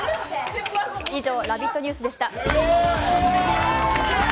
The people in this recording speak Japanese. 以上「ラヴィット！ニュース」でした。